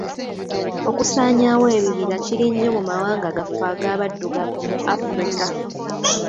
Okusaanyawo ebibira kiri nnyo mu mawanga gaffe ag'abaddugavu mu Afirika